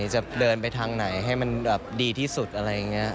จะเดินไปทางไหนให้มันแบบดีที่สุดอะไรอย่างนี้